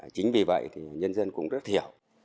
chính vì vậy nhân dân cũng rất thiểu